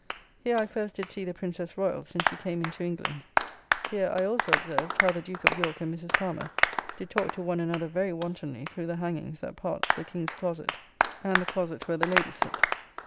Here I first did see the Princess Royal since she came into England. Here I also observed, how the Duke of York and Mrs. Palmer did talk to one another very wantonly through the hangings that parts the King's closet and the closet where the ladies sit.